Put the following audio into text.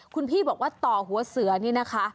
คุณพี่บอกว่าต่อหัวเสือนี่นะคะ